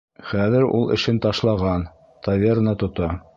Хәҙер ул эшен ташлаған, таверна тота.